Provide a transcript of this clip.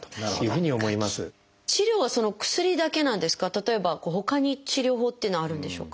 例えばほかに治療法っていうのはあるんでしょうか？